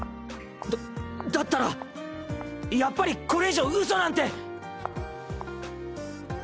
だだったらやっぱりこれ以上うそなんて。